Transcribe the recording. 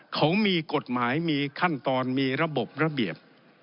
เขามีกฎหมายมีขั้นตอนมีระบบระเบียบ